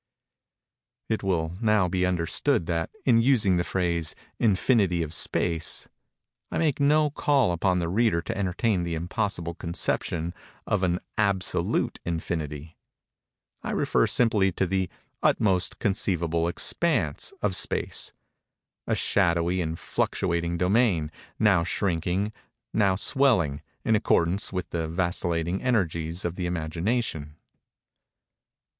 It will now be understood that, in using the phrase, "Infinity of Space," I make no call upon the reader to entertain the impossible conception of an absolute infinity. I refer simply to the "utmost conceivable expanse" of space—a shadowy and fluctuating domain, now shrinking, now swelling, in accordance with the vacillating energies of the imagination.